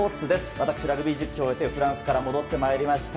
私、ラグビー実況を終えてフランスから戻ってきました。